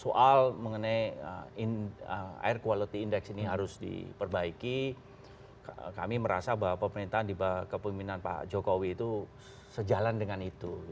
soal mengenai air quality index ini harus diperbaiki kami merasa bahwa pemerintahan di kepemimpinan pak jokowi itu sejalan dengan itu